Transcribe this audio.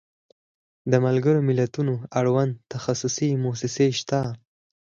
د ملګرو ملتونو اړوند تخصصي موسسې شته.